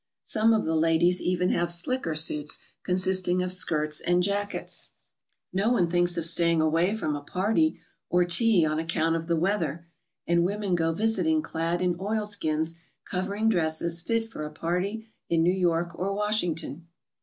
Some of the ladies even have slicker suits consisting of skirts and jackets. No one thinks of staying away from a party or tea on account of the weather, and women go visiting clad in oilskins covering dresses fit for a party in New York or Washington.